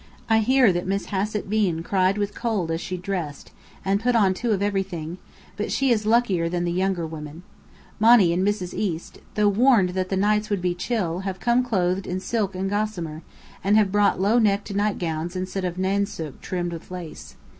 I hear that Miss Hassett Bean cried with cold as she dressed, and put on two of everything; but she is luckier than the younger women. Monny and Mrs. East, though warned that nights would be chill, have come clothed in silk and gossamer, and have brought low necked nightgowns of nainsook trimmed with lace.